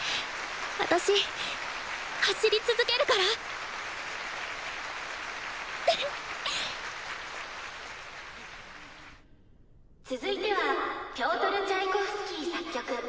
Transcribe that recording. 私走り続けるから続いてはピョートル・チャイコフスキー作曲